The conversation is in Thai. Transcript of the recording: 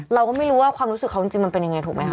เราก็ไม่รู้ว่าความรู้สึกเขาจริงมันเป็นยังไงถูกไหมคะ